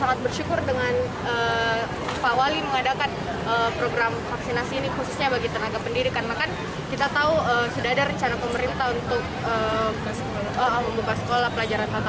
karena kan kita tahu sudah ada rencana pemerintah untuk membuka sekolah pelajaran tata muka